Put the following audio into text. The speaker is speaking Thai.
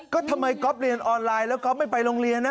ก็ทำไมก๊อฟเรียนออนไลน์แล้วก๊อฟไม่ไปโรงเรียนนะ